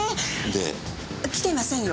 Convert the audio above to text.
で？来てませんよ？